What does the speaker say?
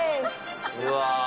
うわ。